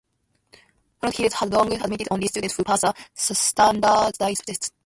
Walnut Hills has long admitted only students who pass a standardized test.